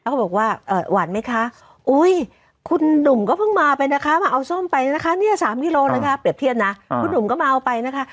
เขาบอกว่าหวานไหมคะคุณหนุ่มก็เพิ่งมาไปนะคะมาเอาส้มไปนะคะเนี่ย๓กิโลนะคะเปรียบเทียบนะคุณหนุ่มก็มาเอาไปนะคะ